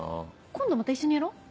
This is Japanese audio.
今度また一緒にやろう。